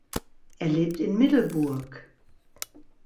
Er lebt in Middleburg.